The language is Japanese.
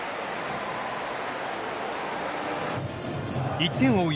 １点を追う